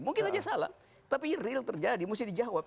mungkin aja salah tapi real terjadi mesti dijawab